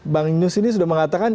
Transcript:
bang yus ini sudah mengatakan